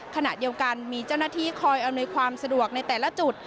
ขณะเดียวกันมีเจ้าหน้าที่คอยอำนวยความสะดวกในแต่ละจุด